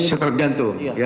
setelah rekam jantung